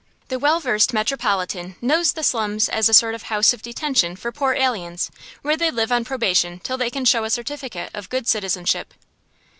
The well versed metropolitan knows the slums as a sort of house of detention for poor aliens, where they live on probation till they can show a certificate of good citizenship.